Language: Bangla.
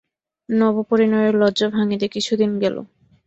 নবপরিণয়ের লজ্জা ভাঙিতে কিছুদিন গেল।